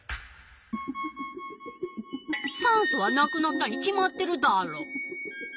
酸素はなくなったに決まってるダロ。